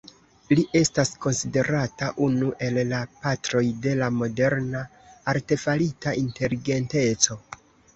Li estas konsiderata unu el la patroj de la moderna artefarita inteligenteco.